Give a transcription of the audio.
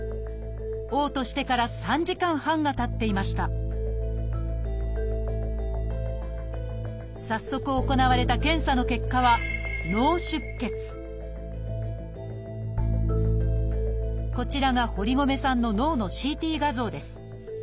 おう吐してから３時間半がたっていました早速行われた検査の結果はこちらが堀米さんの脳のＣＴ画像です。